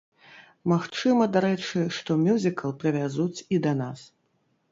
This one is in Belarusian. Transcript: Магчыма, дарэчы, што мюзікл прывязуць і да нас.